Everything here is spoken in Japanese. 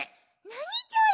なにちょれ？